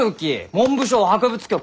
文部省博物局！